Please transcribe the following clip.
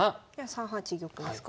３八玉ですか？